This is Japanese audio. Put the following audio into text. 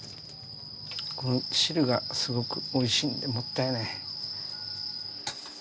この汁がすごくおいしいんでもったいない。